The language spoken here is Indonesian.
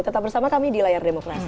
tetap bersama kami di layar demokrasi